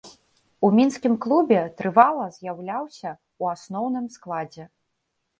У мінскім клубе трывала з'яўляўся ў асноўным складзе.